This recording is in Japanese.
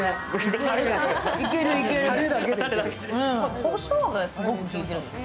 こしょうがすごく効いてるんですか？